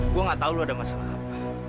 gue gak tau lo ada masalah apa